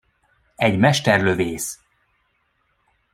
Egy mesterlövész!